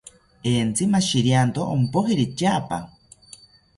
Entzi mashirianto ompojiri tyaapa